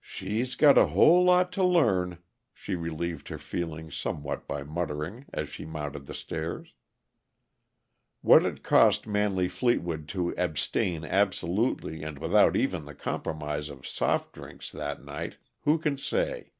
"She's got a whole lot to learn," she relieved her feelings somewhat by muttering as she mounted the stairs. What it cost Manley Fleetwood to abstain absolutely and without even the compromise of "soft" drinks that night, who can say?